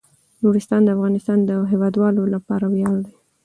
نورستان د افغانستان د هیوادوالو لپاره ویاړ دی.